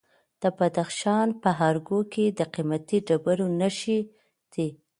د بدخشان په ارګو کې د قیمتي ډبرو نښې دي.